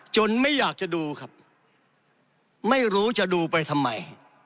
ไม่อยากจะดูครับไม่รู้จะดูไปทำไม